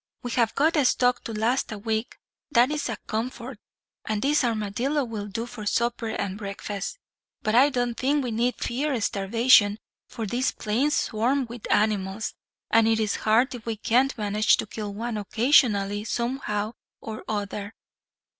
"We have got a stock to last a week, that is a comfort, and this armadillo will do for supper and breakfast. But I don't think we need fear starvation, for these plains swarm with animals; and it is hard if we can't manage to kill one occasionally, somehow or other."